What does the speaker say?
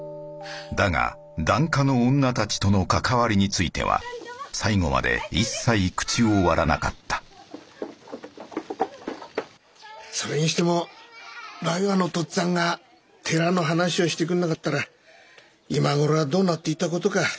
だが檀家の女たちとの関わりについては最後まで一切口を割らなかったそれにしても羅宇屋のとっつぁんが寺の話をしてくんなかったら今頃はどうなっていた事か。